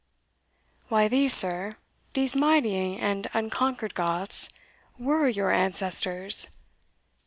"Why, these, sir these mighty and unconquered Goths were your ancestors!